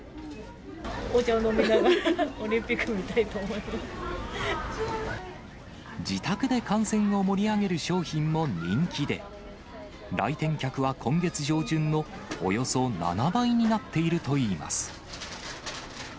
お茶を飲みながら、自宅で観戦を盛り上げる商品も人気で、来店客は今月上旬のおよそ７倍になっているといいます。